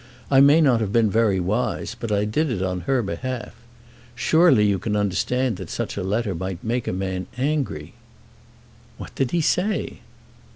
I may not have been very wise, but I did it on her behalf. Surely you can understand that such a letter might make a man angry." "What did he say?"